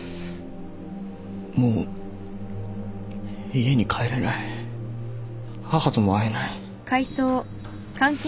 もう家に帰れない母とも会えない。